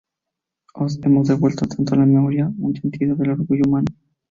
Os hemos devuelto tanto la memoria y un sentido del orgullo humano".